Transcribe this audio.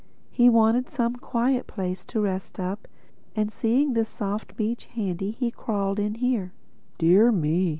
He wanted some quiet place to rest up; and seeing this soft beach handy he crawled in here." "Dear me!"